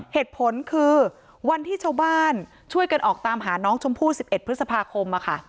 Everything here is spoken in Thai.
เหตุผลคือวันที่ชาวบ้านช่วยกันออกตามหาน้องชมพู่๑๑พฤษภาคม